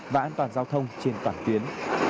và an toàn giao thông trên toàn tuyến